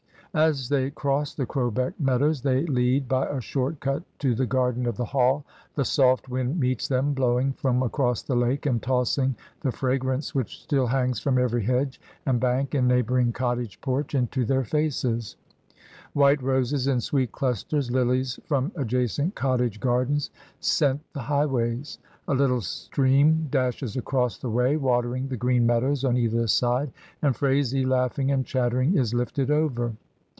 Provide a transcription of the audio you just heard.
As they cross the Crowbeck meadows (they lead by a short cut to the garden of the Hall), the soft wind meets them blowing from across the lake and tossing the fragrance which still hangs from every hedge and bank and neighbouring cottage porch into their faces; white roses in sweet clusters, lilies from adjacent cottage gardens, scent the highways; a little stream dashes across the way watering the green meadows on either side, and Phraisie laughing and chattering is lifted over.